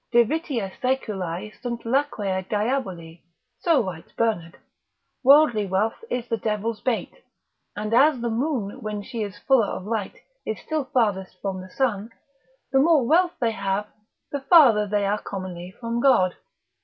divitia saeculi sunt laquei diaboli: so writes Bernard; worldly wealth is the devil's bait: and as the Moon when she is fuller of light is still farthest from the Sun, the more wealth they have, the farther they are commonly from God.